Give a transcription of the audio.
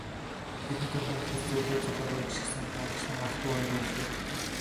Тэдний дунд нэг эхээс зулай зулайгаа гишгэн гарсан ах дүү хоёр явж байлаа.